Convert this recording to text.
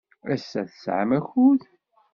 Ass-a, tesɛam akud?